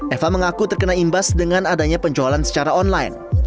eva mengaku terkena imbas dengan adanya penjualan secara online